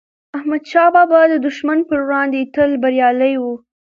احمدشاه بابا د دښمن پر وړاندی تل بریالي و.